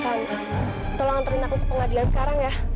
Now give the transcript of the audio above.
sam tolong anterin aku ke pengadilan sekarang ya